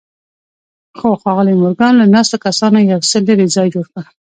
خو ښاغلي مورګان له ناستو کسانو یو څه لرې ځای جوړ کړ